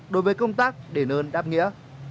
đối với công tác đề nơn đáp nghĩa